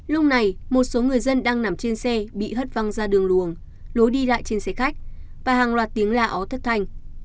lúc này một số người dân đang nằm trên xe bị hất văng ra đường luồng lối đi lại trên xe khách và hàng loạt tiếng gà áo thất thanh